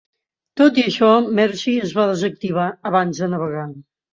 Tot i això, "Mercy" es va desactivar abans de navegar.